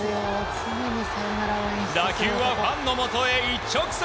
打球はファンのもとへ一直線。